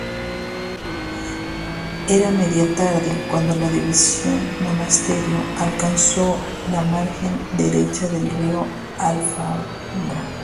Era media tarde cuando la División Monasterio alcanzó la margen derecha del río Alfambra.